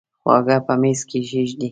خواړه په میز کښېږدئ